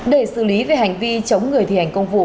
để xử lý về hành vi chống người thi hành công vụ